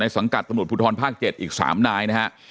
ในสังกัดตำรวจภูทธรณ์ภักดิ์๗อีก๓นายนะฮะ